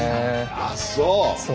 あっそう。